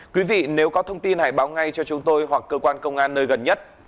quý vị nếu có thông tin hãy báo ngay cho chúng tôi hoặc cơ quan công an nơi gần nhất